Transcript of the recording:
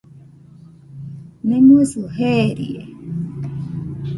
Nemosɨ jeerie.